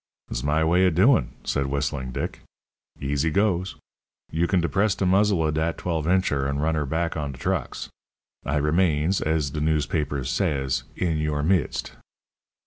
"It's my way of doin'," said Whistling Dick. "Easy goes. You can depress de muzzle of dat twelve incher, and run 'er back on de trucks. I remains, as de newspapers says, 'in yer midst.'"